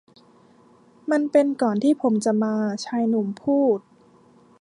มันเป็นก่อนที่ผมจะมา ชายหนุ่มพูด